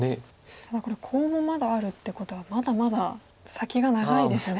ただこれコウもまだあるってことはまだまだ先が長いですね。